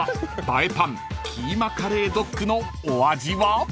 映えパンキーマカレードッグのお味は？］